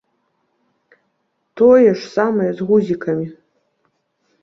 Тое ж самае з гузікамі.